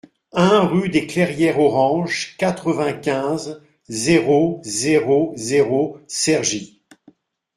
un rue des Clairières Orange, quatre-vingt-quinze, zéro zéro zéro, Cergy